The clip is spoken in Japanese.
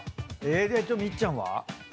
みっちゃんは？